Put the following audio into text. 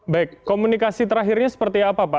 baik komunikasi terakhirnya seperti apa pak